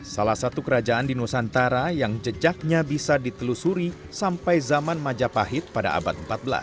salah satu kerajaan di nusantara yang jejaknya bisa ditelusuri sampai zaman majapahit pada abad empat belas